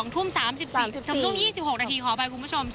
๒ทุ่ม๒๔นาทีขออภัยกับคุณผู้ชม